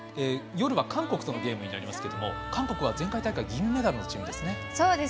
夜は韓国とのゲームになりますけれども韓国は前回大会銀メダルのチームですね。